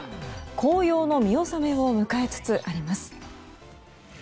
紅葉の見納めを迎えつつあります。